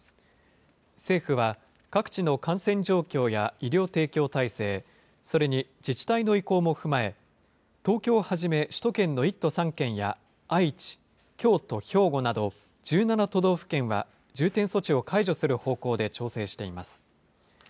政府は、各地の感染状況や医療提供体制、それに自治体の意向も踏まえ、東京をはじめ、首都圏の１都３県や愛知、京都、兵庫など１７都道府県は重点措置を解除する方向で調整しています。